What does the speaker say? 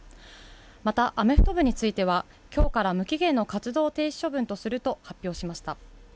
またアメフト部については今日から無期限の活動停止処分とすると発表しました。